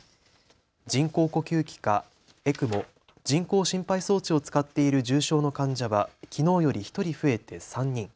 人工呼吸器かＥＣＭＯ・人工心肺装置を使っている重症の患者はきのうより１人増えて３人。